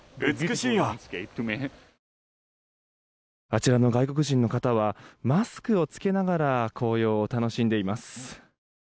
あちらの外国人の方はマスクを着けながら紅葉を楽しんでいます。